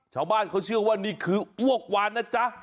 ชาวบ้านเขาเชื่อว่านี่คืออ้วกวานนะจ๊ะ